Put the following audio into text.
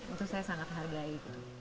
itu saya sangat hargai